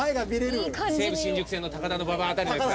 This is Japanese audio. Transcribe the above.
西武新宿線の高田馬場辺りのやつだ。